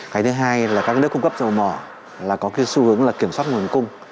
cái thứ hai là các nước cung cấp dầu mỏ là có cái xu hướng là kiểm soát nguồn cung